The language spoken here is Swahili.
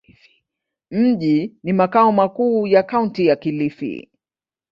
Mji ni makao makuu ya Kaunti ya Kilifi.